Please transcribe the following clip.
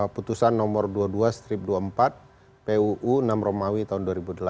putusan nomor dua puluh dua strip dua puluh empat puu enam romawi tahun dua ribu delapan